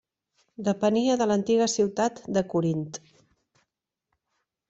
Depenia de l'antiga ciutat de Corint.